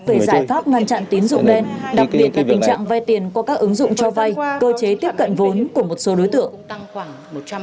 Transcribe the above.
về giải pháp ngăn chặn tín dụng đen đặc biệt là tình trạng vay tiền qua các ứng dụng cho vay cơ chế tiếp cận vốn của một số đối tượng